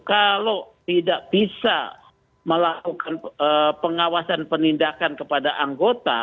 kalau tidak bisa melakukan pengawasan penindakan kepada anggota